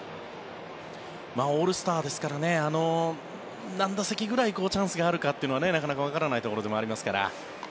オールスターですから何打席ぐらいチャンスがあるかっていうのはなかなかわからないところでもありますから。